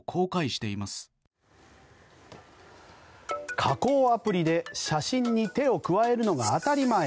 加工アプリで写真に手を加えるのが当たり前。